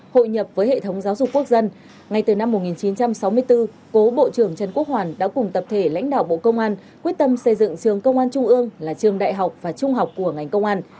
hội nhập với hệ thống giáo dục quốc dân ngay từ năm một nghìn chín trăm sáu mươi bốn cố bộ trưởng trần quốc hoàn đã cùng tập thể lãnh đạo bộ công an quyết tâm xây dựng trường công an trung ương là trường đại học và trung học của ngành công an